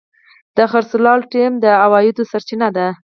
د خرڅلاو ټیم د عوایدو سرچینه ده.